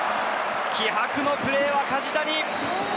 気迫のプレー、梶谷！